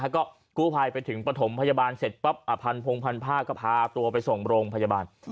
ก็กู้ภัยไปถึงปฐมพยาบาลเสร็จปั๊บพันพงพันผ้าก็พาตัวไปส่งโรงพยาบาล